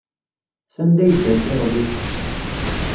Sanda ay ddant iḍelli?